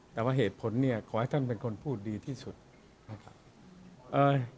แต่ว่าเหตุผลเนี่ยขอให้ท่านเป็นคนพูดดีที่สุดนะครับ